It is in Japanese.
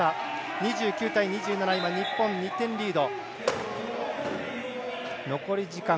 ２９対２７と日本、２点リード。